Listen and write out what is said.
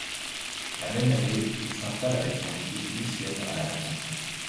La même année, il s'installe avec son épouse Lucienne à La Tronche.